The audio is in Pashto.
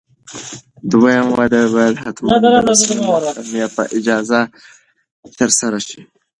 دویم واده باید حتماً د رسمي محکمې په اجازه ترسره شي.